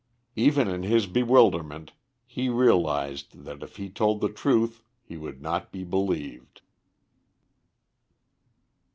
Even in his bewilderment he realised that if he told the truth he would not be believed.